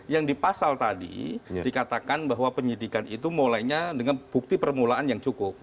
yang di pasal tadi dikatakan bahwa penyidikan itu mulainya dengan bukti permulaan yang cukup